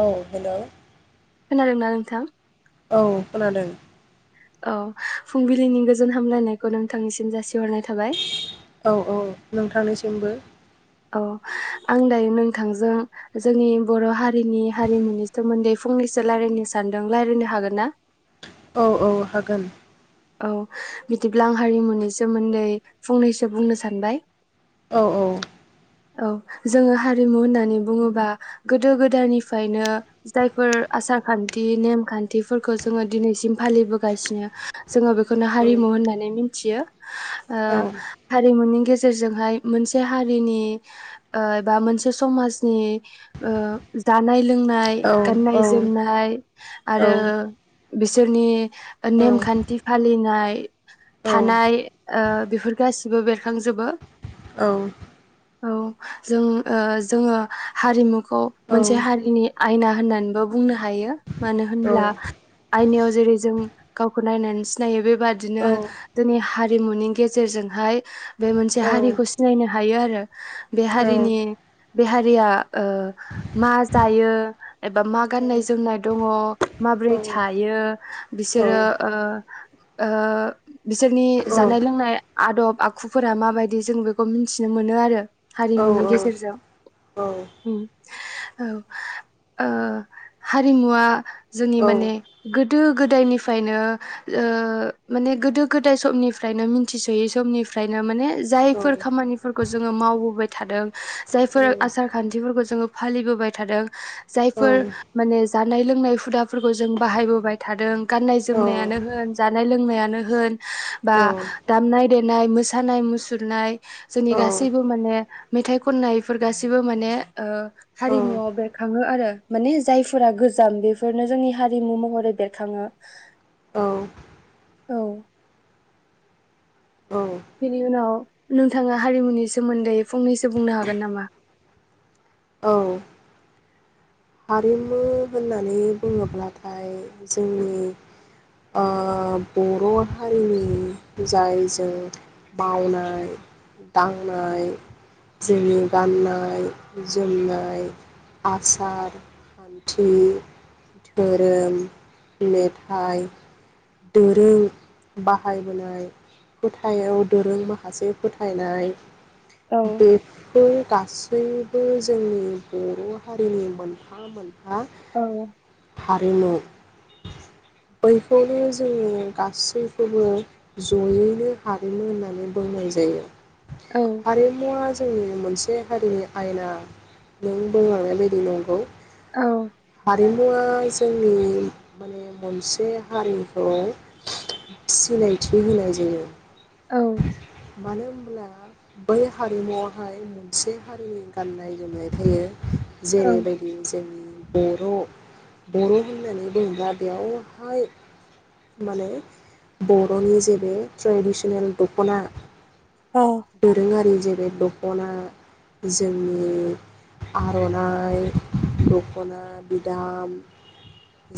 औ हेल' खोनादोंना नोंथां औ खोनादों औ फुंबिलिनि गोजोन हामलायनायखौ नोंथांनिसिम जासिहरनाय थाबाय औ औ नोंथांनिसिमबो औ आं दायो नोंथांजों जोंनि बर' हारिनि हारिमुनि सोमोन्दै फंनैसो रायजलायनो सानदों रायलायनो हागोन ना? औ औ हागोन औ बिदिब्ला आं हारिमुनि सोमोन्दै फंनैसो बुंनो सानबाय औ औ औ जोङो हारिमु होननानै बुङोबा गोदो गोदायनिफ्रायनो जायफोर आसार खान्थि नेमखान्थिफोरखौ जोङो दिनैसिम फालिबोगासिनो जोङो बेखौनो औ हारिमु होननानै मिन थियो। ओ औ रिमुनि गेजेरजोंहाय मोनसे हारिनि ओ बा मोनसे समाजनि ओ जानाय लोंनाय औ औ गाननाय-जोमनाय, आरो बिसोरनि नेमखान्थि फालिनाय, थानाय ओ बेफोर गाससिबो बेरखांजोबो। औ, जों ओ जोङो हारिमुखौ मोनसे हारिनि आयना होननानैबो बुंनो हायो। मानो औ होनब्ला औ आयनायाव जेरै जों गावखौ नायनानै सिनायो बेबादिनो औ जोंनि हारिमुनि गेजेरजोंहाय बे मोनसे औ हारिखौ सिनायनो हायो आरो। बे हारिनि बे हारिया ओ मा जायो एबा मा गाननाय जोमनाय दङ माब्रै थायो बिसोरो ओ ओ बिसोरनि जानाय लोंनाय आदब आखुफोरा माबायदि जों बेखौ मिन्थिनो मोनो आरो हारिमुनि गेजेरजों‌ औ। औ, ओ हारिमुवा जोंनि माने गो दो गोदायनिफ्रायनो ओ माने गोदो गोदाय समनिफ्रायनो मिथिसयै समनिफ्रायनो माने जायफोर खामानिफोरखौ जोङो माव बोबाय थादों जायफोर आसार खान्थिफोरखौ जोङो फालिबोबाय थादों, जायफोर माने जानाय लोंनाय हुदाफोरखौ जों बाहायबोबाय थादों, गाननाय जोमनायानो होन जानाय लोंनाय आनो होन, बा दामनाय दे नाय, मोसानाय मुसुरनाय जोंनि गासैबो मेथाइ खननायफोर गासिबो माने ओ हारिमुवाव बेरखाङो आरो माने जायफोरा गोजाम बेफोरनो जोंनि हारिमु महरै बेरखाङो। औ। औ। बिनि उनाव नोंथाङा हारिमुनि सोमोन्दै फंनैसो बुंनो हागोन नामा? औ हारिमु होननानै बुङोब्लाथाय जोंनि ओ बर हारिनि जायजों मावनाय दांनाय जोंनि गाननाय जोमनाय आसार खान्थि धोरोम मेथाइ दोरों बाहायबोनाय फोथायाव दोरों माखासे फोथायनाय औ बेफोर गासै बयबो जोंनि बर हारिनि मोन फा मोन हा औ हारिमु बैखौनो जोङो गासैखौबो जयैनो हारिमु होननानै बुंनाय जायो। औ हारिमुवा जोंनि मोनसे हारिनि आयना नों बुंलांनाय बायदि नंगौ औ हारिमुवा जोंनि माने मोनसे हारिखौ सिनायथि होनाय जायो औ मानो होनब्ला बै हारिमुआवहाय मोनसे हारिनि गाननाय जोमनाय थायो जेरै औ बायदि बर बर होननानै बुङोब्ला बेयावहाय माने बरनि जेबो ट्रेडिसनेल दखना औ दोरोङारि जे बे दखना जोंनि आरनाइ दखना बिदाम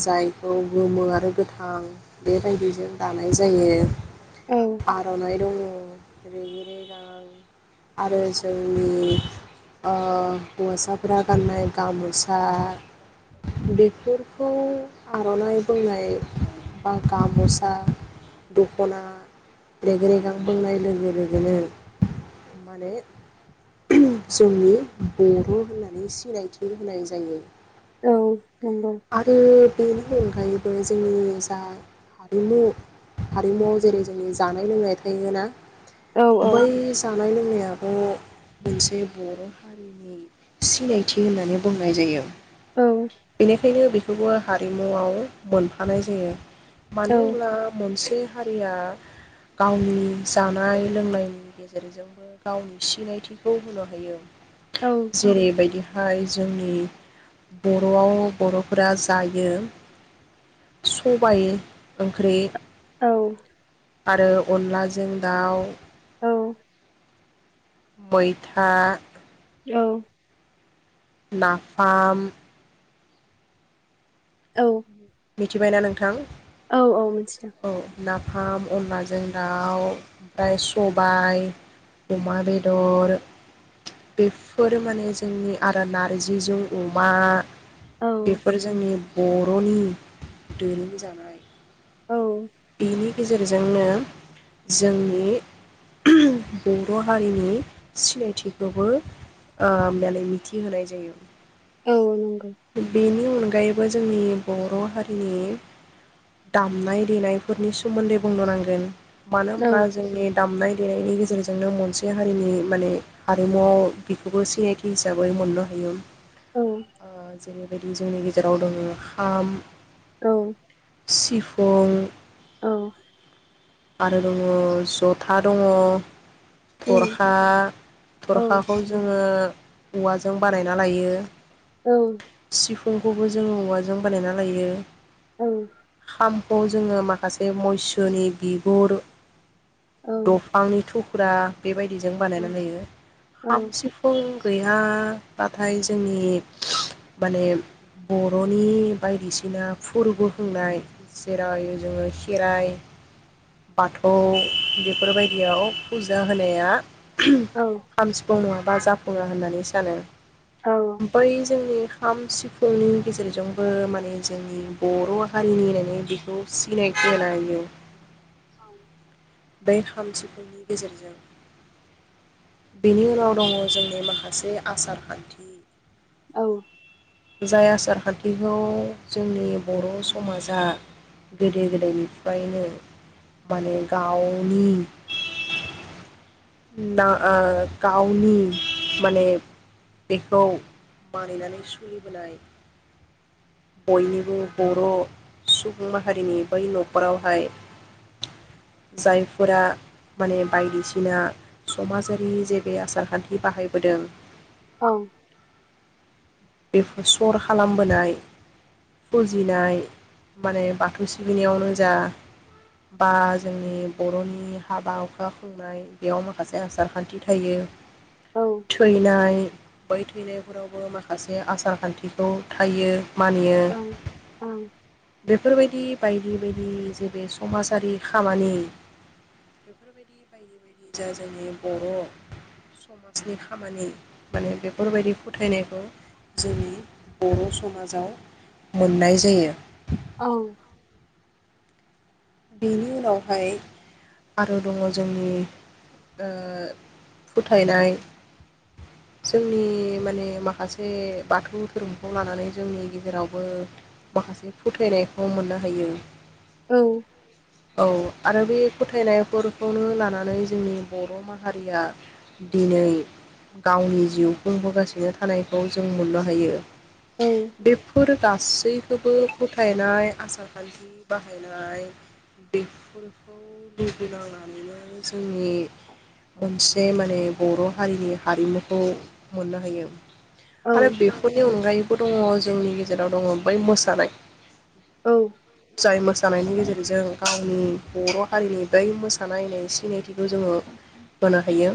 जायखौ गोमो आरो गोथां बेबायदिजों दानाय जायो औ आरनाइ दङ रेगे रेगां आरो जोंनि ओ हौवासाफोरा गाननाय गामसा बेफोरखौ आरनाइ बुंनाय बा गामसा दखना रेग रेगां बुंनाय लोगो लोगोनो माने जोंनि बर होननानै सिनायथि बे होनाय जायो औ नोंगौ आरो बेनि अनगायैबो जोंनि जा हारिमु हारिमुआव जेरै जोंनि जानाय लोंनाय थायो ना औ औ बै जानाय लोंनाया दाब मोनसे बर' हारिनि सिनायथि होननानै बुंनाय जायो। औ बेनिखायनो बेखौबो हारिमुआव मोनफानाय जायो। औ मानो होनब्ला मोनसे हारिया गावनि जानाय लोंनायनि गेजेरजोंबो गावनि सिनायथिखौ होनो हायो। जेरैबायदि जोंनि बर'आव बर'फोरा जायो सबाय ओंख्रि औ आरो अनलाजों दाउ औ मैथा औ नाफाम औ मिथिबायना नोंथां औ ना नाफाम अनलाजों दाउ ओमफ्राय सबाय अमा बेदर बेफोर माने जोंनि आरो नारजिजों अमा औ बेफोर जोंनि बर'नि दोरों जानाय औ बेनि गेजेरजोंनो जोंनि बर' हारिनि सिनायथिखौबो माने मिथिहोनाय जायो। औ नंगौ बेनि अनगायैबो जोंनि बर' हारिनि दामनाय देनाय फोरनि सोमोन्दै बुंनो नांगोन। मानो औ होमब्ला जोंनि दामनाय देनायनि गेजे जोंनो मोनसे हारिनि माने हारिमुआव बेखौबो सिनायथि हिसाबै मोननो हायो। औ ओ जेरैबायदि जोंनि गेजेराव दङ खाम औ सिफुं औ आरो दङ जथा दङ उम थरखा औ औ थरखाखौ जोङो औवाजों बानायना लायो औ सिफुंखौबो जोङो औवाजों बानायना लायो। औ बेखौ जोङो मा सासे मैसोनि बिगुर। औ दंफांनि थ्रु। थुख्रा। बेबायदिजों औ बानायनानै लायो खाम सिफुं। गैयाब्लाथाय जोंनि माने बर'नि बायदिसिना फोरबो खुंनाय जेराव जोंङो। खेराय बाथौ बेफोरबायदियाव फुजा होनाया। खाम सिफुं मवा। बा जाफुङा होननानै सानो। बै जोंनि। खाम सिफुंनि गेजेरजोंबो माने जोंनि बर' हारिनि होननानै बेखौ सिनाय। नायो। औ। बे खाम सिफुंनि गेजेरजों बेनि उनाव दङ जोंनि माखासे आसार खान्थि। औ। जाय आसार खान्थिखौ जोंनि बर' समाजा गोदो गोदायनिफ्रायनो माने गावनि। ना ओ गावनि माने बेखौ मानिनानै सोलिबोनाय बयनिबो बर' सुबुं माहारिनि बै न'खरावहाय जायफोरा माने बायदिसिना। समाजारि जे बे आसारखान्थि बाहायबोदों। औ। बेफोर सर खालामबोनाय फुजिनाय माने बाथौ सिबिनायावनो जा बा जोंनि बर'नि हाबा हुखा खुंनाय। बेयाव माखासे आसार खान्थि थायो। थैनाय। बै थैनायफोरावबो माखासे आसार खान्थिखौ थायो। मानियो बेफ। बेफोरबायदि बायदि बायदि जे बे समाजारि खामानि। निजा जायो बर' समाजनि खामानि माने बेफोरबायदि फोथायनायखौ जोंनि बर' समाजाव मोननाय जायो। औ। बेनि उनावहाय आरो दङ जोंनि ओ फोथायनाय जोंनि माने माखासे बाथौ धोरोमखौ लानानै जोंनि गेजेरावबो माखासे फोथायनायखौ मोननो हायो। औ। औ आरो बे फोथायनायफोरखौनो लानानै जोंनि बर' माहारिया दिनै गावनि जिउ खुंबोगासिनो थानायखौ जों मोननो हायो। बेफोर गास। सैखोबो फोथायनाय आसार खान्थि बाहायनाय। बेफोरखौ लुगिनांनानैनो जोंनि मोनसे माने बर' हारिनि हारिमुखौ मोननो हायो। आरो बेफोरनि अनगायै। दङ जोंनि गेजेराव दङ बै मोसानाय। जाय मोस। जानायनि गेजेर। जों गावनि बर' हारिनि बै मोसानायनै सिनायथिखौ जोङो होनो हायो।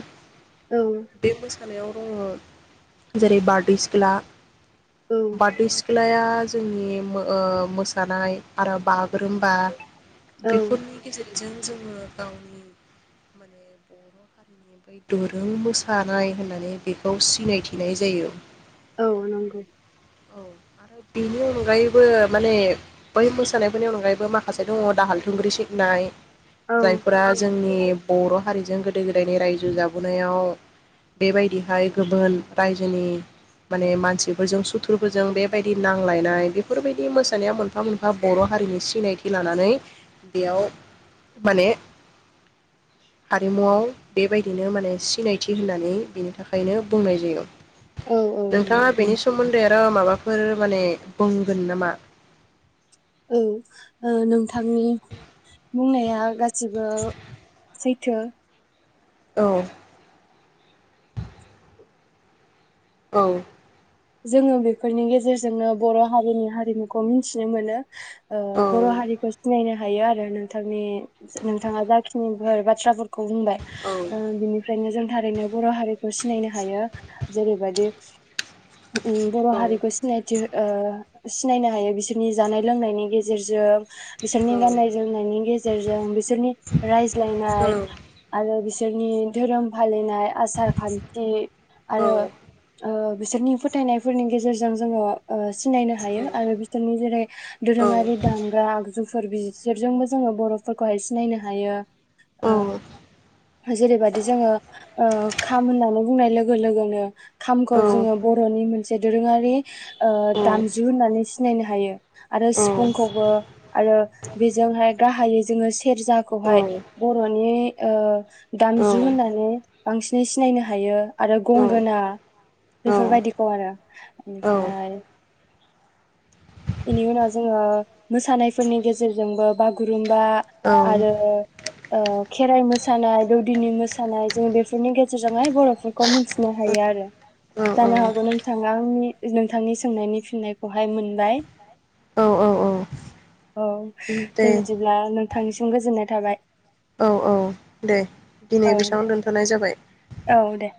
बे मोसानायाव। दङ जेरै बारदैसिख्ला। बारदैसिख्लाया जोंनि ओ मोसानाय आरो बागुरुम्बा बेफोरनि गेजेरजों जोङो गावनि मोन दोरों मोसानाय होननानै बेखौ सिनायथिनाय जायो औ नंगौ औ आरो बेनि अनगायैबो माने बै मोसानायफोरनि अनगायैबो माखासे दङ दाहाल थुंग्रि सिबनाय औ जायफोरा जोंनि बर' हारिजों गोदो गोदायनि रायजो जो जाबोनायाव बेबायदिहाय गोबोन रायजोनि माने मानसिफोरजों सुथुरफोरजों बेबायदि नांलायनाय बेफोरबायदि मोसानायाव मोनफा मोनफा बर' हारिनि सिनायथि लानानै बेयाव माने हारिमुआव बेबायदिनो माने सिनायथि होनानै बेनि थाखायनो बुंनाय जायो। औ औ नोंथाङा नंगौ बेनि सोमोन्दै आरो माबाफोर फोर माने बोंगोन नामा औ ओ नोंथांनि बुंनाया गासिबो सैथो औ औ जोङो बेफोरनि गेजेरजोंनो बर' हारिनि हारिमुखौ मिनथिनो मोनो। ओ औ बर' हारिखौ सिनायनो ह हायो आरो नोंथांनि नोंथाङा जाखिनि बा बाथ्राफोर खौ बुंबाय औ ओ बिनिफ्रायनो जों थारैनो बर' हारिखौ सिनायनो हायो जेरैबादि बर' औ हारिखौ सिनायथि ओ सिनायनो हायो बिसोरनि जानाय लोंनायनि गेजेरजों बिसोरनि गाननाय जोमनायनि गेजेरजों बिसोरनि रायज्लायनाय आरो बिसोर बिसोरनि धोरोम फालिनाय आसार खान्ति औ आरो ओ बिसोरनि फोथायनायफोरनि गेजेरजों जोङो ओ सिनायनो हायो आरो बिसोरनि जेरै औ औ दोरोङारि दामग्रा आगजु फोर बिसोरजोंबो जोङो बर'फोरखौहाय सिनायनो हायो औ ओ जेरैबायदि जोङो ओ खाम होननानै बुंनाय लोगो गोलोगोनो खामखौ जोङो बर'नि मोन से दोरोङारि ओ दामजु होननानै सि सिनायनो हायो। आरो औ सिफुंखौबो आरो बेजोंहाय गाहायै जोङो सि औ सेरजाखौहाय बर'नि ओ औ दामजु होननानै बांसिनै सिनायनो हायो। आरो गंगोना। बेफोरबायदिखौ आरो औ ओमफ्राय बेनि उनाव जोङो मोसानायफोरनि गेजेरजोंबो बागुरुम बा आरो ओ खेराइ मोसानाय दौदिनि मोसानाय जों बेफोरनि गेजेरजों बर'फोरखौ मिथिनो हायो आरो जानो हागौ नोंथाङा आंनि नोंथांनि सोंनायनि फिननायखौहाय मोनबाय। औ औ दे बिदिब्ला नों थांनिसिम गोजोननाय थाबाय। औ औ दे दिनै औ दे बेसांआवनो दोनथ'नाय जाबाय। औ दे